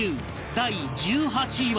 第１８位は